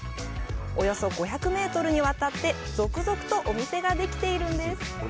およそ５００メートルにわたって続々とお店ができているんです。